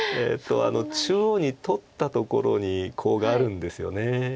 中央に取ったところにコウがあるんですよね。